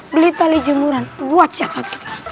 beli tali jemuran buat siapa kita